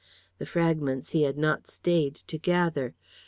The fragments he had not stayed to gather.